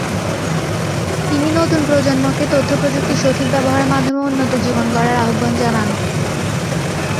তিনি নতুন প্রজন্মকে তথ্যপ্রযুক্তির সঠিক ব্যবহারের মাধ্যমে উন্নত জীবন গড়ার আহ্বান জানান।